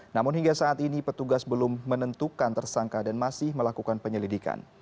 namun hingga saat ini petugas belum menentukan tersangka dan masih melakukan penyelidikan